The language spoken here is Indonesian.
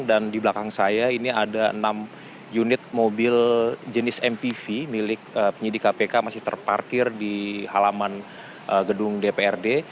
dan di belakang saya ini ada enam unit mobil jenis mpv milik penyelidik kpk masih terparkir di halaman gedung dprd